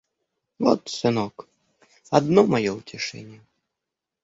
Вот сынок, одно мое утешение.